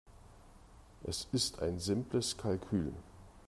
Es ist ein simples Kalkül.